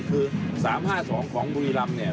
คือ๓๕๒ของบุญรับนี่